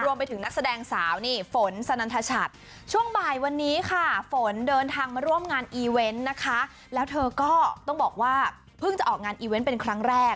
นักแสดงสาวนี่ฝนสนันทชัดช่วงบ่ายวันนี้ค่ะฝนเดินทางมาร่วมงานอีเวนต์นะคะแล้วเธอก็ต้องบอกว่าเพิ่งจะออกงานอีเวนต์เป็นครั้งแรก